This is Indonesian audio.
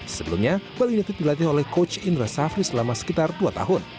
sebelumnya bali united dilatih oleh coach indra safri selama sekitar dua tahun